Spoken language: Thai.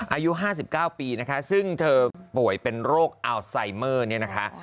อายุ๕๙ปีนะคะซึ่งเธอป่วยเป็นโรคอัลไซเมอร์เนี่ยนะคะ